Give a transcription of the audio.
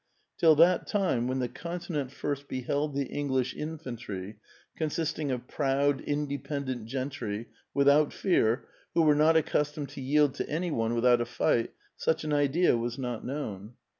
Till that time, when the continent first beheld the English infantry, consisting of proud, independent gentry, without fear, who were not accustomed to yield to any one without a fight, such an idea was not known.